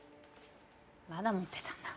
まだ持ってたんだ。